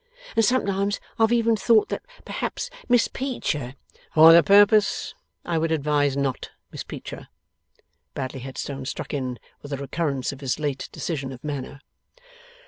And sometimes I have even thought that perhaps Miss Peecher ' 'For the purpose, I would advise Not Miss Peecher,' Bradley Headstone struck in with a recurrence of his late decision of manner.